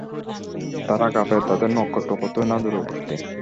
তারা কাফের, তাদের নৈকট্য কতোই না দূরবর্তী।